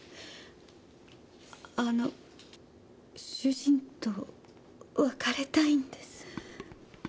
あの主人と別れたいんです。